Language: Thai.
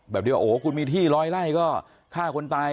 แบบเดียวโอ้โหคุณมีที่ร้อยไล่ก็ฆ่าคนตาย